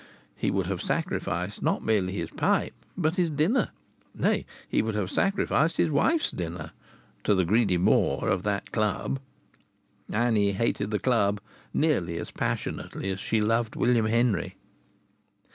He would have sacrificed not merely his pipe, but his dinner nay, he would have sacrificed his wife's dinner to the greedy maw of that Club. Annie hated the Club nearly as passionately as she loved William Henry.